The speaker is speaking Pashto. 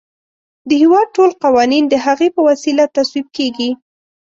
د هیواد ټول قوانین د هغې په وسیله تصویب کیږي.